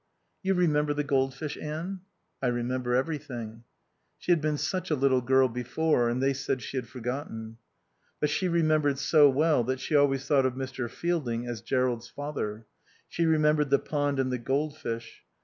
"You remember the goldfish, Anne?" "I remember everything." She had been such a little girl before, and they said she had forgotten. But she remembered so well that she always thought of Mr. Fielding as Jerrold's father. She remembered the pond and the goldfish.